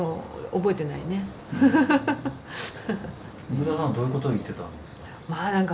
奥田さんはどういうことを言ってたんですか？